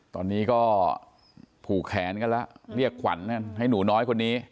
ตอนนี้ก็ผูกแขนกันแล้วเรียกขวัญให้หนูน้อยคนนี้